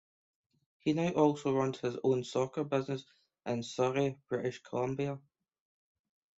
He now also runs his own soccer business in Surrey, British Columbia.